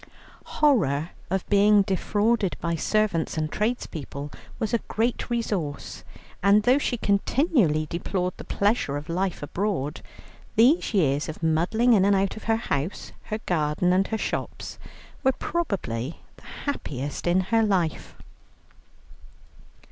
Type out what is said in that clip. Horror of being defrauded by servants and tradespeople was a great resource, and though she continually deplored the pleasure of life abroad, these years of muddling in and out of her house, her garden, and her shops, were probably the happiest in her life.